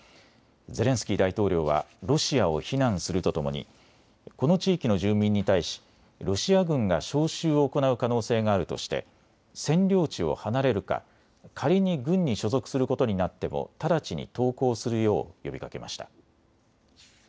ゼレンスキー大統領はロシアを非難するとともにこの地域の住民に対しロシア軍が招集を行う可能性があるとして占領地を離れるか仮に軍に所属することになっても直ちに投降するよう呼びかけました。